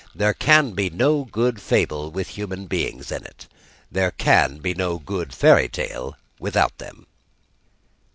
There can be no good fable with human beings in it. There can be no good fairy tale without them.